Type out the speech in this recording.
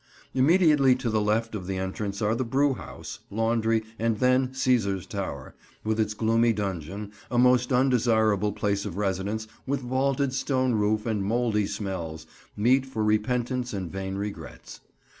Immediately to the left of the entrance are the brew house, laundry and then Cæsar's Tower, with its gloomy dungeon, a most undesirable place of residence with vaulted stone roof and mouldy smells, meet for repentance and vain regrets.